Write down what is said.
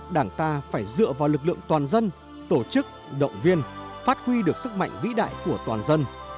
đảng ta phải dựa vào lực lượng toàn dân tổ chức động viên phát huy được sức mạnh vĩ đại của toàn dân